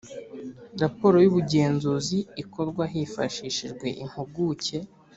raporo y’ubugenzuzi ikorwa hifashishijwe impuguke